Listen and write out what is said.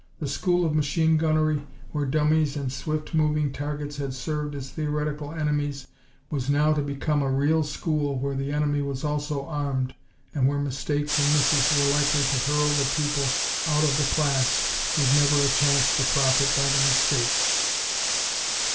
The school of machine gunnery, where dummies and swift moving targets had served as theoretical enemies, was now to become a real school where the enemy was also armed and where mistakes and misses were likely to hurl the pupil out of the class with never a chance to profit by the mistake.